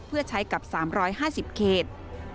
เพื่อใช้กับ๓๕๐เขต